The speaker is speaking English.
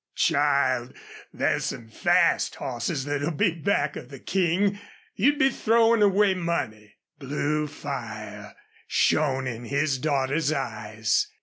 "Child, there's some fast hosses that'll be back of the King. You'd be throwin' away money." Blue fire shone in his daughter's eyes.